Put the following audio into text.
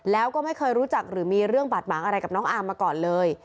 แล้วก็ไม่เคยรู้จักหรือมีเรื่องบาดหมางอะไรกับน้องอามมาก่อนเลย